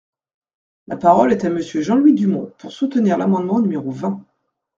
La parole est à Monsieur Jean-Louis Dumont, pour soutenir l’amendement numéro vingt.